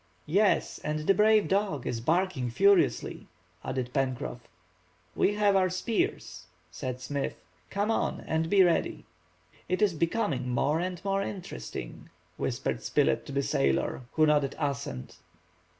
"Yes, and the brave dog is barking furiously," added Pencroff. "We have our spears," said Smith. "Come on, and be ready." "It is becoming more and more interesting," whispered Spilett to the sailor, who nodded assent.